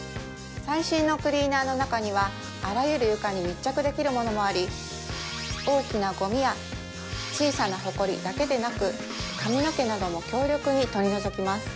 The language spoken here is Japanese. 最新のクリーナーの中にはあらゆる床に密着できるものもあり大きなゴミや小さなホコリだけでなく髪の毛なども強力に取り除きます